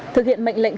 thực hiện mệnh lệnh